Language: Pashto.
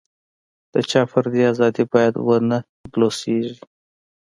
د چا فردي ازادي باید ونه بلوسېږي.